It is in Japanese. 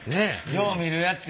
よう見るやつや。